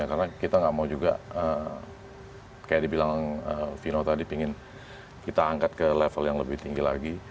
karena kita nggak mau juga kayak dibilang vino tadi pingin kita angkat ke level yang lebih tinggi lagi